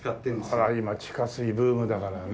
あら今地下水ブームだからね。